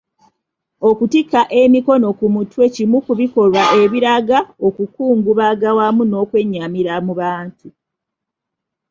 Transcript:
Okutikka emikono ku mutwe kimu ku bikolwa ebiraga okukungubaga wamu n'okwennyamira mu bantu.